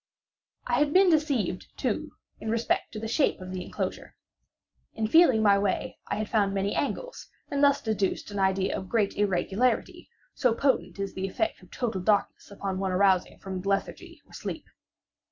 I had been deceived, too, in respect to the shape of the enclosure. In feeling my way I had found many angles, and thus deduced an idea of great irregularity; so potent is the effect of total darkness upon one arousing from lethargy or sleep!